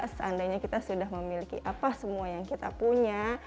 seandainya kita sudah memiliki apa semua yang kita punya